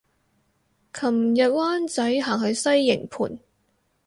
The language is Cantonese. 琴日灣仔行去西營盤